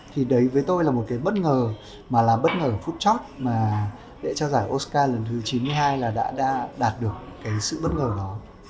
thì đấy với tôi là một cái bất ngờ mà là bất ngờ phút chót mà lễ trao giải oscar lần thứ chín mươi hai là đã đạt được cái sự bất ngờ đó